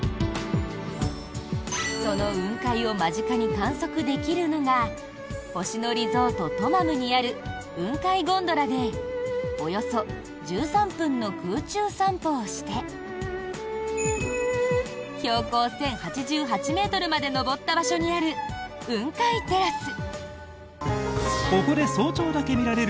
その雲海を間近に観測できるのが星野リゾートトマムにある雲海ゴンドラでおよそ１３分の空中散歩をして標高１０８８ｍまで上った場所にある雲海テラス。